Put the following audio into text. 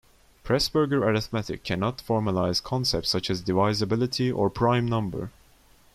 Presburger arithmetic cannot formalize concepts such as divisibility or prime number.